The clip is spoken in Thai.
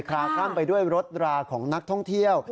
ลาคลั่นไปด้วยรถราของนักท่องเที่ยว